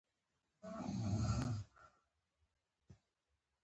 دوی به د ډوډۍ په پیلولو کې ځنډ نه کاوه.